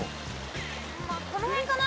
まあこのへんかな。